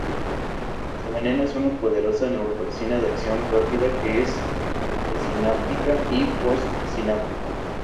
Su veneno es una poderosa neurotoxina de acción rápida que es presináptica y post-sináptica.